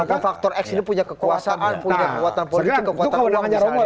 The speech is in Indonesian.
karena faktor x ini punya kekuasaan punya kekuatan politik punya kekuatan uang